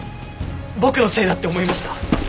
僕のせいだって思いました。